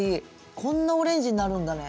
こんなオレンジになるんだね。